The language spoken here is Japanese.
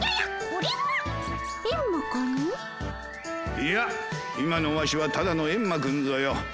いや今のワシはただのエンマくんぞよ。